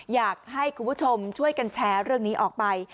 อยากให้คุณผู้ชมช่วยกันแชร์เรื่องนี้ออกไป